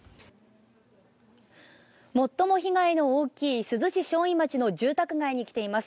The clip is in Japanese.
最も被害の大きい珠洲市正院町の住宅街に来ています。